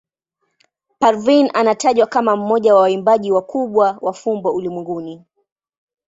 Parveen anatajwa kama mmoja wa waimbaji wakubwa wa fumbo ulimwenguni.